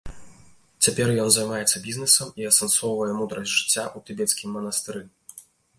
Цяпер ён займаецца бізнэсам і асэнсоўвае мудрасць жыцця ў тыбецкім манастыры.